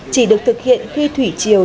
chỉ được thực hiện khi thủy chiều